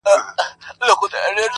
په كوڅه كي څراغ نه وو توره شپه وه -